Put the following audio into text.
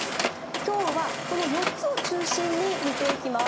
今日はこの４つを中心に見ていきます。